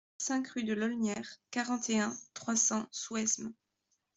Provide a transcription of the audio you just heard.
cinq rue de l'Aulnière, quarante et un, trois cents, Souesmes